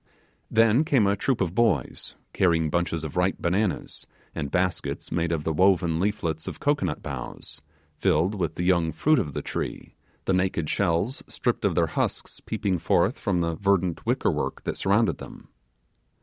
Then came a troop of boys, carrying bunches of ripe bananas, and baskets made of the woven leaflets of cocoanut boughs, filled with the young fruit of the tree, the naked shells stripped of their husks peeping forth from the verdant wicker work that surrounded them.